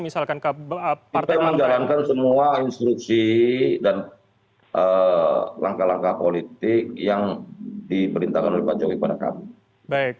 kita menjalankan semua instruksi dan langkah langkah politik yang diperintahkan oleh pak jokowi kepada kami